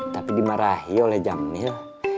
tapi dimarahi oleh jamil